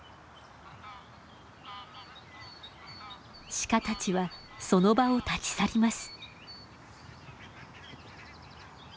シカたちはその場を立ち去ります。